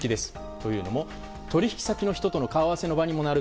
というのも、取引先との人との顔合わせにもなる。